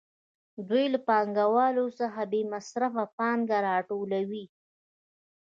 دوی له پانګوالو څخه بې مصرفه پانګه راټولوي